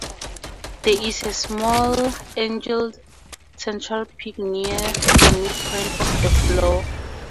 There is a small, angled central peak near the midpoint of the floor.